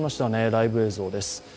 ライブ映像です。